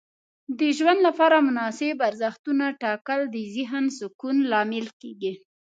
د ژوند لپاره مناسب ارزښتونه ټاکل د ذهن سکون لامل کیږي.